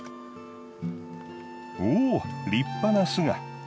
おぉ立派な巣が。